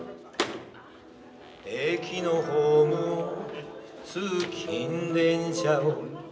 「駅のホームを通勤電車を」